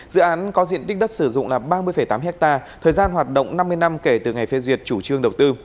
dự án có diện tích đất sử dụng là ba mươi tám hectare thời gian hoạt động năm mươi năm kể từ ngày phê duyệt chủ trương đầu tư